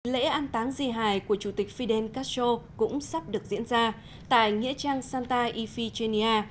lễ an táng di hài của chủ tịch fidel castro cũng sắp được diễn ra tại nghĩa trang santa ifigenia